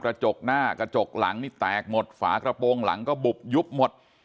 กระจกหน้ากระจกหลังนี่แตกหมดฝากระโปรงหลังก็บุบยุบหมด